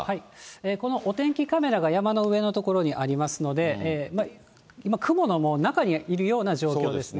このお天気カメラが山の上の所にありますので、今、雲の中にいるような状況ですね。